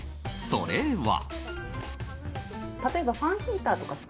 それは。